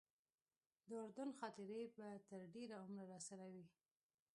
د اردن خاطرې به تر ډېره عمره راسره وي.